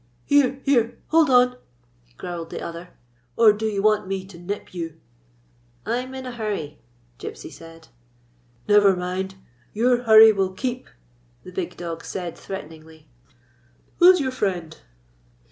"Here, here; hold on!" growled the other, " or do you want me to nip you ?"" I 'in in a hurry," Gypsy said. " Never mind. Your hurry will keep," the big dog said, threateningly. "'Who 's your friend?"